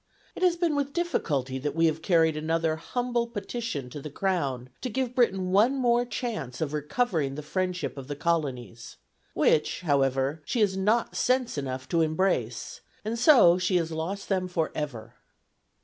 It has been with difficulty that we have carried another humble Petition to the Crown, to give Britain one more chance of recovering the friendship of the colonies: which, however, she has not sense enough to embrace; and so she has lost them for ever."